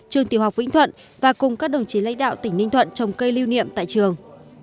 trường tiểu học vĩnh thuận và cùng các đồng chí lãnh đạo tỉnh ninh thuận trồng cây lưu niệm tại trường